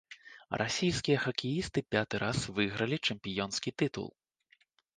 Расійскія хакеісты пяты раз выйгралі чэмпіёнскі тытул.